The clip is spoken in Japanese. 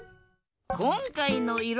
こんかいのいろ